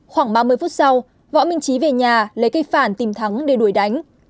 khoảng ba mươi phút sau võ minh trí về nhà lấy cây phản tìm thắng để đuổi đánh